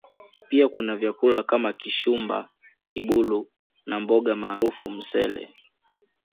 Pia kuna vyakula kama Kishumba Kibulu na mboga maarufu Msele